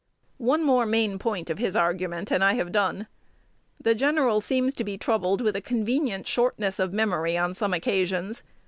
One more main point of his argument, and I have done. The General seems to be troubled with a convenient shortness of memory on some occasions.